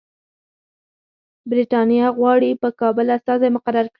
برټانیه غواړي په کابل استازی مقرر کړي.